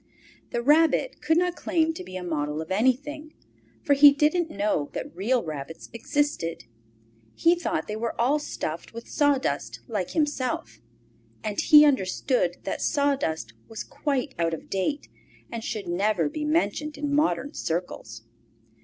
The Rabbit could not claim to be a model of anything, for he didn't know that real rabbits existed; he thought they were all stuffed with sawdust like himself, and he understood that sawdust was quite out of date and should never be mentioned in modern circles.